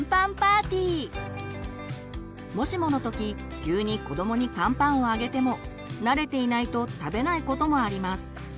もしもの時急に子どもにカンパンをあげても慣れていないと食べないこともあります。